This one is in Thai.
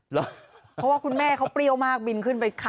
เพราะว่าคุณแม่เขาเปรี้ยวมากบินขึ้นไปค่ะ